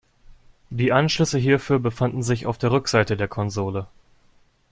Die Anschlüsse hierfür befanden sich auf der Rückseite der Konsole.